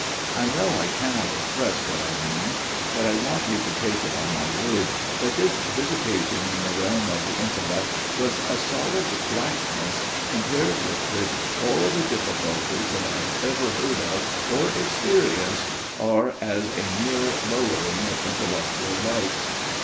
I know I cannot express what I mean ; but I want you to take it on my word that this visitation in the realm of the intellect was a solid blackness, com pared with which all other difficulties that I have ever heard of or experienced are as a mere lower ing of intellectual lights.